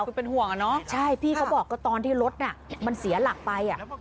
คือเป็นห่วงอ่ะเนอะใช่พี่เขาบอกก็ตอนที่รถน่ะมันเสียหลักไป